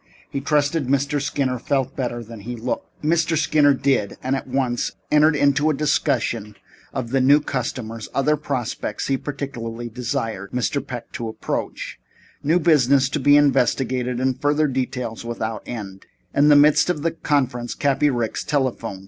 He trusted Mr. Skinner felt better than he looked. Mr. Skinner did, and at once entered into a discussion of the new customers, other prospects he particularly desired Mr. Peck to approach, new business to be investigated, and further details without end. And in the midst of this conference Cappy Riggs telephoned.